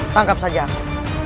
tangkap saja aku